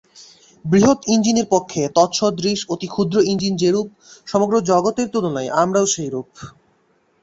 বৃহৎ ইঞ্জিনের পক্ষে তৎসদৃশ অতি ক্ষুদ্র ইঞ্জিন যেরূপ, সমগ্র জগতের তুলনায় আমরাও সেইরূপ।